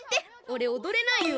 おれおどれないよ。